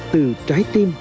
từ trái tim